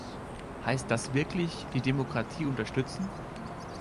Heißt das wirklich, die Demokratie unterstützen?